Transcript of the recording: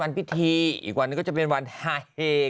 เก่งเก่งเก่งเก่งเก่งเก่ง